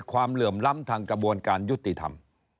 เหลื่อมล้ำทางกระบวนการยุติธรรม